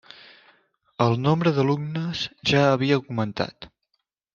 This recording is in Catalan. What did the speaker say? El nombre d'alumnes ja havia augmentat.